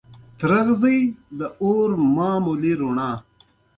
د بایسکل چلولو څخه خوند اخیستل مهم دي.